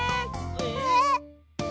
えっ？